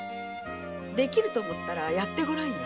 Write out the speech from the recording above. できると思ったらやってごらんよ。